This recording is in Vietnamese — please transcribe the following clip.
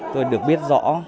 tôi được biết rõ